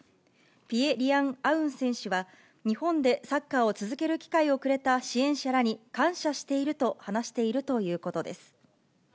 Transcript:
ピエ・リアン・アウン選手は、日本でサッカーを続ける機会をくれた支援者らに感謝していると話しているということです。